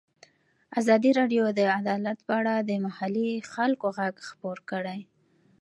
ازادي راډیو د عدالت په اړه د محلي خلکو غږ خپور کړی.